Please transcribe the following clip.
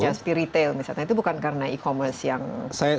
just di retail misalnya itu bukan karena e commerce yang pancaman